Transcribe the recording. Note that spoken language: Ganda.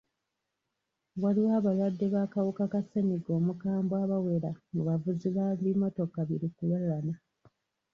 Waliwo abalwadde b'akawuka ka ssennyiga omukambwe abawera mu bavuzi b'ebimmotoka bi lukululana.